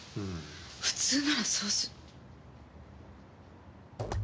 普通ならそうする。